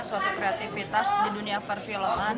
suatu kreativitas di dunia perfilman